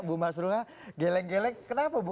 bu mas ruha geleng geleng kenapa